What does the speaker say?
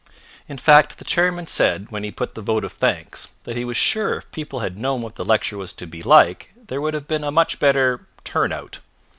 In fact the chairman said when he put the vote of thanks that he was sure if people had known what the lecture was to be like there would have been a much better "turn out."